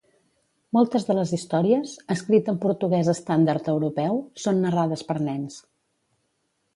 Moltes de les històries, escrit en portuguès estàndard europeu, són narrades per nens.